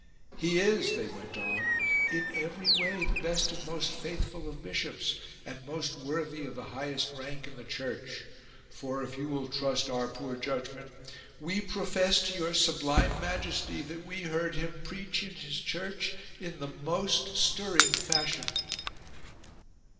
" He is," they went on, " in every way the best and the most faithful of bishops and most worthy of the highest rank in the Church. For, if you will trust our poor judgment, we profess to your sublime majesty that we heard him preach in his church in the most stirring fashion."